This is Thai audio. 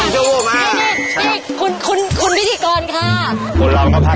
ท่านของเราคือคุณพยพุธกร